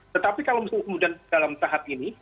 tetapi kalau misalnya kemudian dalam tahap ini